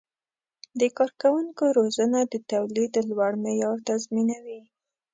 د کارکوونکو روزنه د تولید لوړ معیار تضمینوي.